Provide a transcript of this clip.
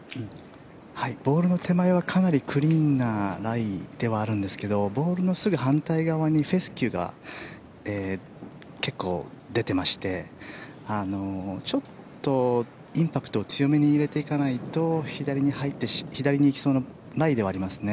ボールの手前はかなりクリーンなライではありますがボールのすぐ反対側にフェスキューが結構出てましてちょっとインパクトを強めに入れていかないと左に行きそうなライではありますね。